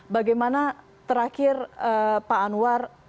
bagaimana terakhir pak alman